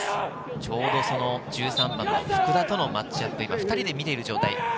ちょうど１３番の福田とのマッチアップを２人で見ている状態です。